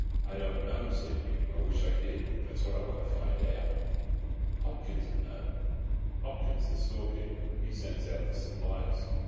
"I don't know," said Hugh. "I wish I did. That's what I want to find out." "Hopkins'd know. Hopkins, the storekeeper. He sends out the supplies.